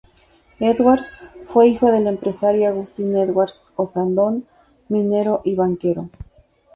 Edwards fue hijo del empresario Agustín Edwards Ossandón minero y banquero.